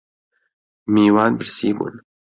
میوان برسی بوون